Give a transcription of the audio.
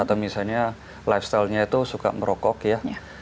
atau misalnya lifestylenya itu suka merokok ya